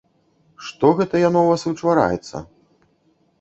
Што гэта яно ў вас вычвараецца?